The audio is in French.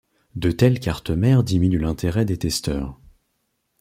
De telles cartes-mères diminuent l'intérêt des testeurs.